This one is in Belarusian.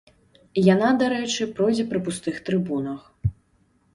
Яна, дарэчы, пройдзе пры пустых трыбунах.